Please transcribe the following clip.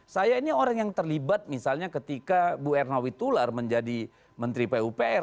saya ini orang yang terlibat misalnya ketika bu ernawi tular menjadi menteri pupr